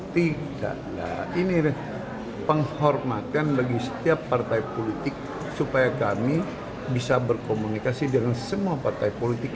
tidak nah ini penghormatan bagi setiap partai politik supaya kami bisa berkomunikasi dengan semua partai politik